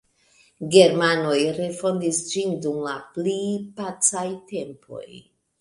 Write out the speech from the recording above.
Germanoj refondis ĝin dum la pli pacaj tempoj.